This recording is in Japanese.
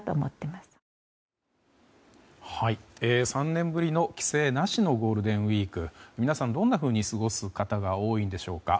３年ぶりの規制なしのゴールデンウィーク皆さん、どんなふうに過ごす方が多いのでしょうか。